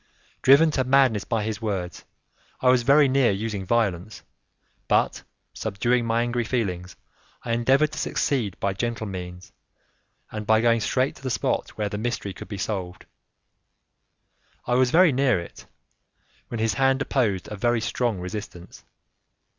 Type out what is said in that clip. Driven to madness by his words, I was very near using violence, but subduing my angry feelings, I endeavored to succeed by gentle means and by going straight to the spot where the mystery could be solved. I was very near it, when his hand opposed a very strong resistance.